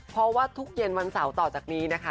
เพราะว่าทุกเย็นวันเสาร์ต่อจากนี้นะคะ